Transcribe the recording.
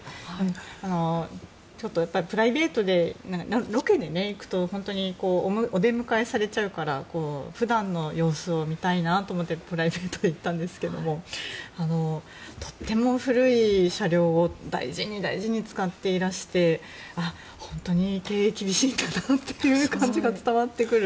ちょっとロケに行くとお出迎えされちゃうから普段の様子を見たいなと思ってプライベートで行ったんですけどとても古い車両を大事に大事に使っていらして本当に経営が厳しいのかなという感じが伝わってくる。